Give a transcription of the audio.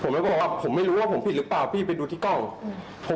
แม่ก็บอกว่าผมไม่รู้ว่าผมผิดหรือเปล่าพี่ไปดูที่กล้องอืม